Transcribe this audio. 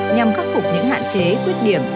nhằm khắc phục những hạn chế quyết điểm